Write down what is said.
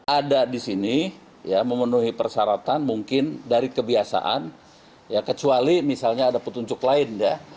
ada di sini ya memenuhi persyaratan mungkin dari kebiasaan ya kecuali misalnya ada petunjuk lain ya